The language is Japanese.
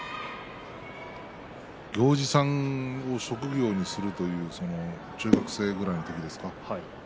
行司さんを職業にするという中学生ぐらいの時ですか？